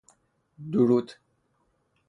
دورود